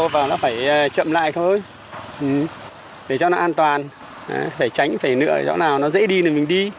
và nó phải chậm lại thôi để cho nó an toàn phải tránh phải nợ chỗ nào nó dễ đi mình đi